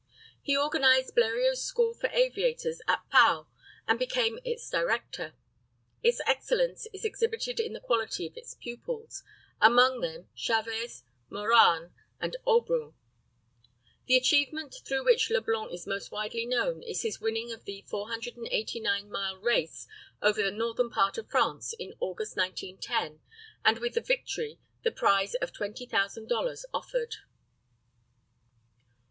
He organized Bleriot's school for aviators at Pau, and became its director. Its excellence is exhibited in the quality of its pupils; among them Chavez, Morane, and Aubrun. The achievement through which Leblanc is most widely known is his winning of the 489 mile race over the northern part of France in August, 1910, and with the victory the prize of $20,000 offered.